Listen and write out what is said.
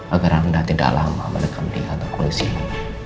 agar anda tidak lama mendekam di kantor kulis ini